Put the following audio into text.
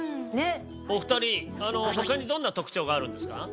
お二人あの他にどんな特徴があるんですか？